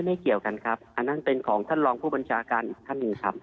เกี่ยวกันครับอันนั้นเป็นของท่านรองผู้บัญชาการอีกท่านหนึ่งครับ